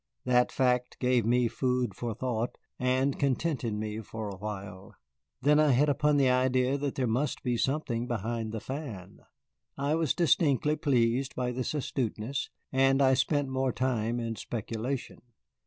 That fact gave me food for thought, and contented me for a while. Then I hit upon the idea that there must be something behind the fan. I was distinctly pleased by this astuteness, and I spent more time in speculation.